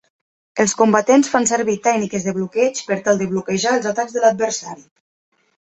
Els combatents fan servir tècniques de bloqueig per tal de bloquejar els atacs de l'adversari.